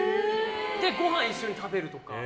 ごはん一緒に食べるとか。